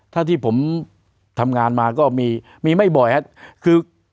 ถ้าที่ผมทำงานมาก็มีมีไม่บ่อยครับคือ